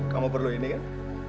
kamu perlu ini kan